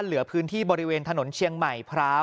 เหลือพื้นที่บริเวณถนนเชียงใหม่พร้าว